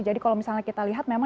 jadi kalau misalnya kita lihat